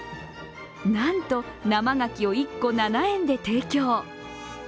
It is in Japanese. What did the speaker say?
なんと、生がきを１個７円で提供。